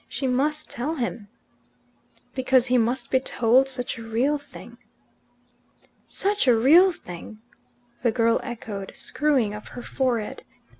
She must tell him." "Because he must be told such a real thing." "Such a real thing?" the girl echoed, screwing up her forehead.